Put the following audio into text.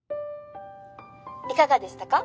いかがでしたか？